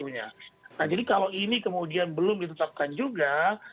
nah jadi kalau ini kemudian belum ditetapkan juga